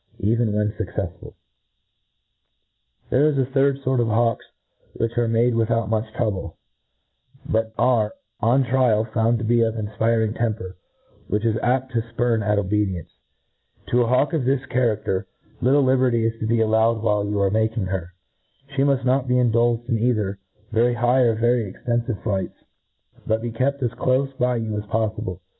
even when fuccefsful. There MODERN FAULCONRY. i8f There is a third fort of hawks which are made without much trouble, but arc, on trial, found to be of an afpiring temper, which is apt to fpurn at obedience. To a hawk of this cha y^aer, little liberty is to be allowed while yott are making her ; fhe mull not be indulged in ci»: ther very high or very extejifivc flights, bijt bp kept as clofe by you as pofliblc.